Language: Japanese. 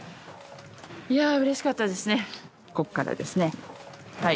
いやあうれしかったですね。